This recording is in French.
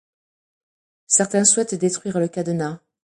Certains souhaitent détruire le cadenas.